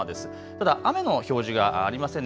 ただ雨の表示がありません。